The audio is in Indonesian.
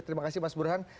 terima kasih mas burhan